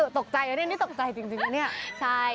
ตกใจนะเนี่ยนี่ตกใจจริงเนี่ย